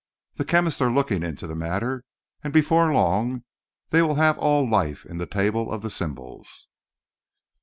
The chemists are looking into the matter, and before long they will have all life in the table of the symbols.